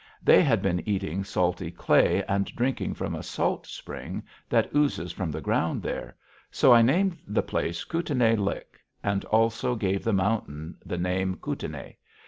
They had been eating salty clay and drinking from a salt spring that oozes from the ground there, so I named the place Kootenai Lick, and also gave the mountain the name Kootenai.